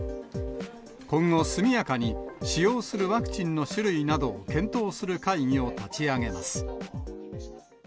今後、速やかに使用するワクチンの種類などを検討する会議を立ち上げます。